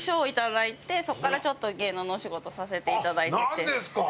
あっなんですか！